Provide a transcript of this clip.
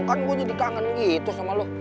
kan gue jadi kangen gitu sama lo